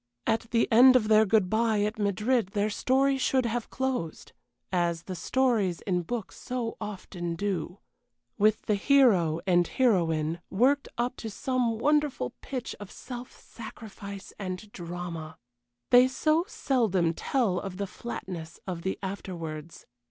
At the end of their good bye at Madrid their story should have closed, as the stories in books so often do, with the hero and heroine worked up to some wonderful pitch of self sacrifice and drama. They so seldom tell of the flatness of the afterwards.